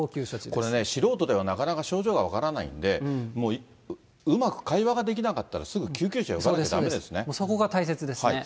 これね、素人ではなかなか症状が分からないんで、うまく会話ができなかったらすぐ救急車呼ばなきゃだめですね。